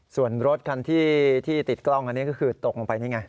ส่วนรถคันที่ติดกล้องอันนี้ก็คือตกลงไปนี่ไง